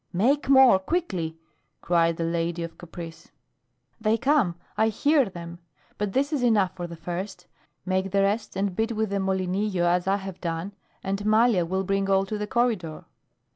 "Make more quickly!" cried the lady of caprice. "They come. I hear them. But this is enough for the first. Make the rest and beat with the molinillo as I have done, and Malia will bring all to the corridor."